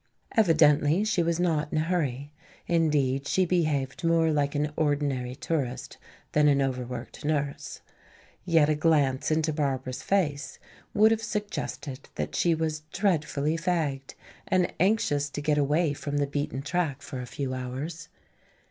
Evidently she was not in a hurry. Indeed, she behaved more like an ordinary tourist than an overworked nurse. Yet a glance into Barbara's face would have suggested that she was dreadfully fagged and anxious to get away from the beaten track for a few hours.